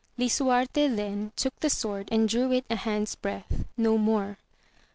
lisuarte then took the sword and drew it a hand's breadth, no more.